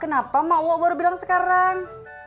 kenapa mak wo baru bilang sekarang